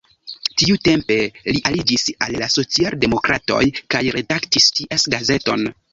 Tiutempe li aliĝis al la socialdemokratoj kaj redaktis ties gazeton.